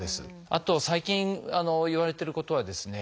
あと最近いわれてることはですね